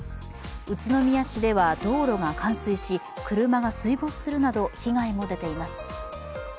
宇都宮市では道路が冠水し、車が水没するなど被害も出ています。